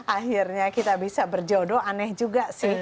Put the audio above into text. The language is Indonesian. akhirnya kita bisa berjodoh aneh juga sih